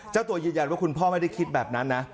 เจ้าตัวยืนยันว่าคุณพ่อไม่ได้คิดแบบนั้นนะ